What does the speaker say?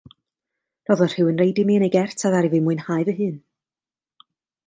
Rhoddodd rhywun reid imi yn ei gert a ddaru mi fwynhau fy hun.